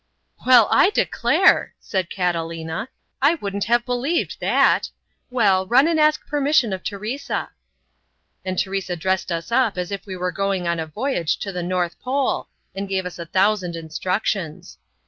"Well, I declare!" said Catalina, "I wouldn't have believed that! Well, run and ask permission of Teresa." And Teresa dressed us up as if we were going on a voyage to the North Pole and gave us a thousand instructions.